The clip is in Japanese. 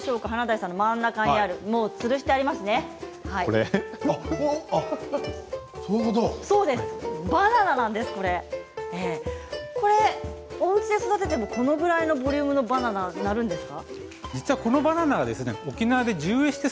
これバナナなんですがおうちで育ててもこのぐらいのボリュームのバナナになるんですか。